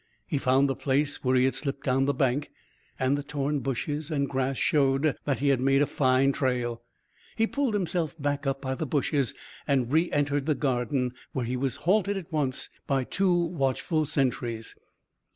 He found the place where he had slipped down the bank and the torn bushes and grass showed that he had made a fine trail. He pulled himself back up by the bushes and reentered the garden, where he was halted at once by two watchful sentries.